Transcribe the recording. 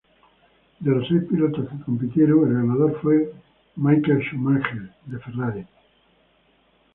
De los seis pilotos que compitieron, el ganador fue Michael Schumacher de Ferrari.